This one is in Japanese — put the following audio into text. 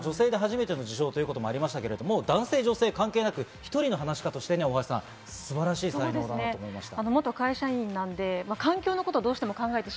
女性で初めての受賞ということもありましたけれど男性、女性、関係なく１人の噺家として素晴らしい才能があると思いました。